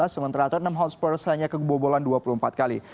sementara tottenham hotspurs hanya kebobolan dua puluh empat kali